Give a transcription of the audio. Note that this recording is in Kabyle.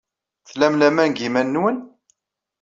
Tlam laman deg yiman-nwen?